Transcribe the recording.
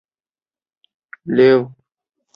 塞尔证明了这个定理的代数版本。